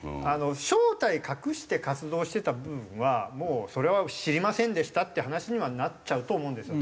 正体隠して活動してた部分はもうそれは知りませんでしたっていう話にはなっちゃうと思うんですよ